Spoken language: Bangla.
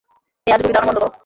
এই আজগুবি ধারনা বন্ধ করো।